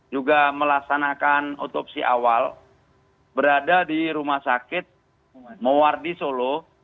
juga melaksanakan otopsi awal berada di rumah sakit mowardi solo